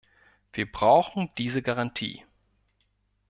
Wir brauchen diese Garantie.